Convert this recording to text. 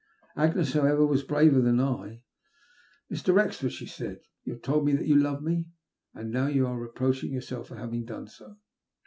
Agnes, however, was braver than I. "Mr. Wrexford," she said, "you have told me that you love me, and now you are reproaching yourself for having done so.